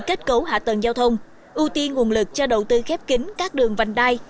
kết cấu hạ tầng giao thông ưu tiên nguồn lực cho đầu tư khép kính các đường vành đai